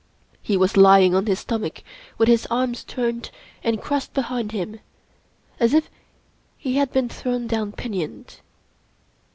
He was lying on his stomach with his arms turned and crossed behind him, as if he had been thrown down pinioned.